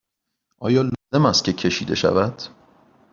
آیا لازم است که کشیده شود؟